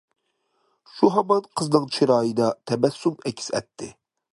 شۇ ھامان قىزنىڭ چىرايىدا تەبەسسۇم ئەكس ئەتتى.